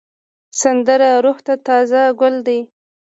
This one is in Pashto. سندره روح ته تازه ګل دی